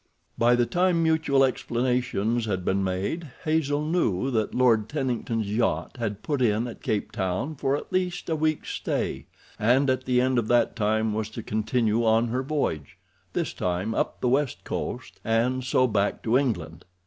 By the time mutual explanations had been made Hazel knew that Lord Tennington's yacht had put in at Cape Town for at least a week's stay, and at the end of that time was to continue on her voyage—this time up the West Coast—and so back to England.